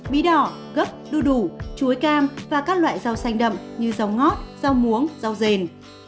bí đỏ gấp đu đủ chuối cam và các loại rau xanh đậm như rau ngót rau muống rau dền